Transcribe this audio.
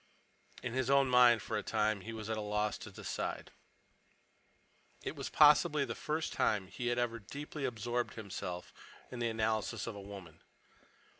In his own mind, for a time, he was at a loss to decide. It was possibly the first time he had ever deeply absorbed himself in the analysis of a woman.